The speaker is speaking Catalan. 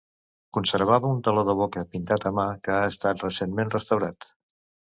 Conservava un teló de boca pintat a mà que ha estat recentment restaurat.